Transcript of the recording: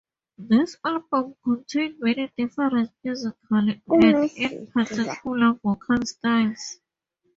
This album contained many different musical and, in particular, vocal styles.